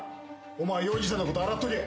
お前容疑者のこと洗っとけ。